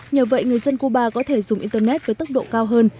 nhờ vậy người dân cuba có thể dùng internet với tốc độ cao hơn